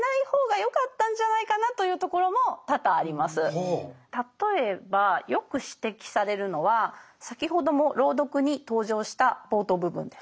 正直な話例えばよく指摘されるのは先ほども朗読に登場した冒頭部分です。